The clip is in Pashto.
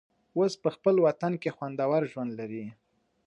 اوس په خپل وطن کې خوندور ژوند لري.